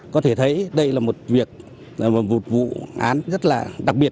có thể thấy đây là một việc một vụ án rất là đặc biệt